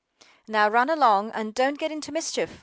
"NOW run along, and don't get into mischief.